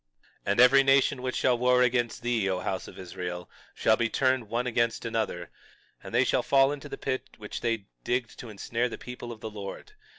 22:14 And every nation which shall war against thee, O house of Israel, shall be turned one against another, and they shall fall into the pit which they digged to ensnare the people of the Lord.